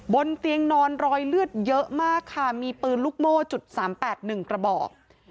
บนเตียงนอนรอยเลือดเยอะมากค่ะมีปืนลูกโม่จุด๓๘๑กระบอก